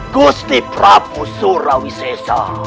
gusli prabu surawi sesa